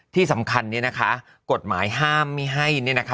ที่สำคัญเนี่ยนะคะกฎหมายห้ามไม่ให้เนี่ยนะคะ